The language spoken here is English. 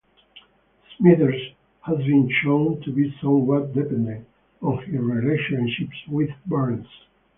Smithers has been shown to be somewhat dependent on his relationship with Burns.